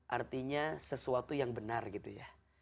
artinya sesuatu yang benar gitu ya